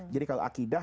jadi kalau akidah